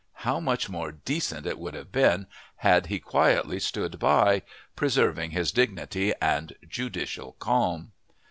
How much more decent it would have been had he quietly stood by, preserving his dignity and judicial calm.